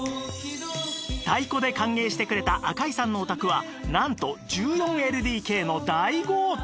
太鼓で歓迎してくれた赤井さんのお宅はなんと １４ＬＤＫ の大豪邸